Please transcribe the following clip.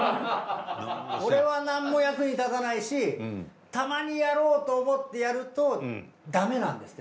俺はなんも役に立たないしたまにやろうと思ってやるとダメなんですって。